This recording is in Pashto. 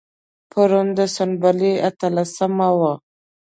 پرون د سنبلې اتلسمه وه.